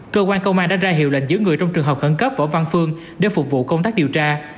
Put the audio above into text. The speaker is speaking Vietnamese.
cơ quan công an đã ra hiệu lệnh giữ người trong trường hợp khẩn cấp võ văn phương để phục vụ công tác điều tra